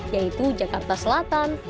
yaitu jakarta selatan